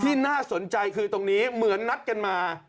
น่าสนใจคือตรงนี้เหมือนนัดกันมา